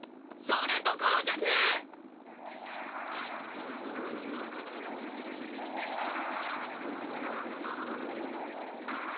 それどころじゃねーっ！